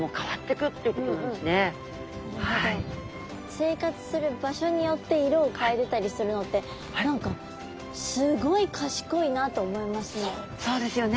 生活する場所によって色を変えてたりするのって何かすごい賢いなと思いますね。